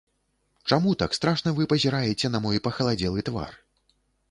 Чаму так страшна вы пазіраеце на мой пахаладзелы твар?